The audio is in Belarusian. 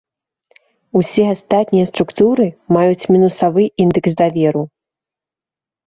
Усе астатнія структуры маюць мінусавы індэкс даверу.